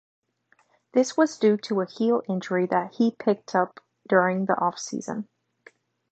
This was due to a heel injury that he picked up during the off-season.